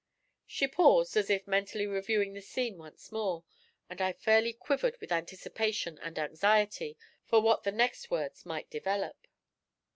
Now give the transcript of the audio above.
She paused as if mentally reviewing the scene once more, and I fairly quivered with anticipation and anxiety for what the next words might develop.